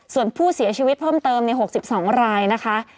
ส่วนผู้เสียชีวิตเพิ่มเติม๖๒รายนะคะ